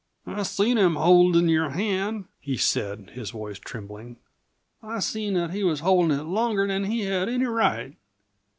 "I seen him holdin' your hand," he said, his voice trembling; "I seen that he was holdin' it longer than he had any right.